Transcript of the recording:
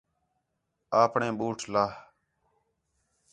آپݨے بُوٹ لہہ